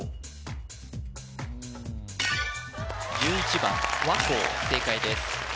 １１番わこう正解です